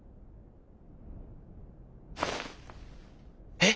「えっ！？」。